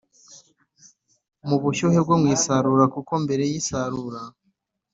mu bushyuhe bwo mu isarura Kuko mbere y isarura